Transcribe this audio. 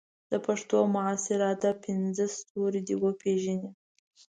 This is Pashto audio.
د پښتو د معاصر ادب پنځه ستوري دې وپېژني.